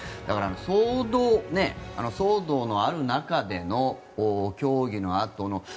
だから、騒動のある中での競技のあとの。